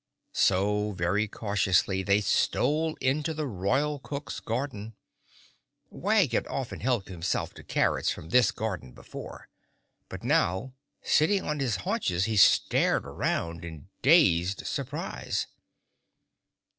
So, very cautiously they stole into the royal cook's garden. Wag had often helped himself to carrots from this garden before, but now sitting on his haunches he stared around in dazed surprise.